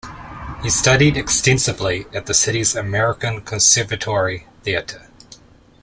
He studied extensively at the city's American Conservatory Theater.